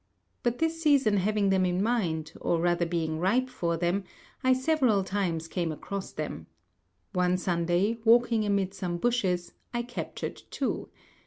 But this season having them in mind, or rather being ripe for them, I several times came across them. One Sunday, walking amid some bushes, I captured two.